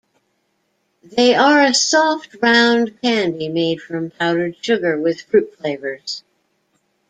They are a soft round candy made from powdered sugar with fruit flavors.